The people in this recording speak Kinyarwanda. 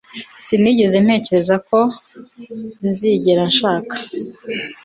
Sinigeze ntekereza ko nzigera nshaka